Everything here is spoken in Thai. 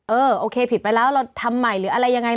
เออโอเคผิดไปแล้วเราทำใหม่หรืออะไรยังไง